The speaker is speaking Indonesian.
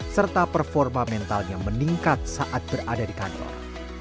serta performa mentalnya meningkat saat berada di kantor